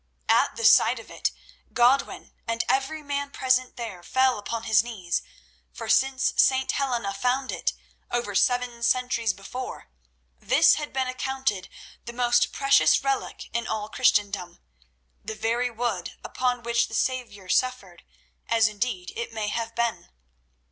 At the sight of it Godwin and every man present there fell upon his knees, for since St. Helena found it, over seven centuries before, this had been accounted the most precious relic in all Christendom; the very wood upon which the Saviour suffered, as, indeed, it may have been.